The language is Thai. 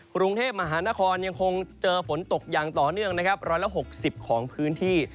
กรุงเทพมหานครยังคงเจอฝนตกอย่างต่อเนื่องนะครับ๑๖๐ของพื้นที่